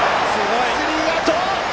スリーアウト！